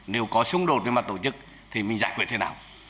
nếu có xung đột về mặt tổ chức thì mình giải quyết thế nào